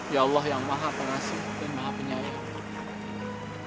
ya allah yang maha pengasih dan maha penyayang